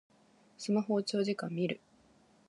スマホを長時間みる